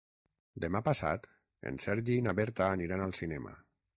Demà passat en Sergi i na Berta aniran al cinema.